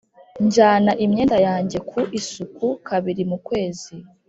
njyana imyenda yanjye ku isuku kabiri mu kwezi.